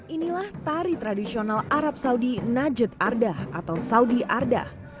inilah tari tradisional arab saudi najut ardah atau saudi ardah